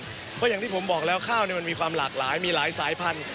เพราะอย่างที่ผมบอกแล้วข้าวมันมีความหลากหลายมีหลายสายพันธุ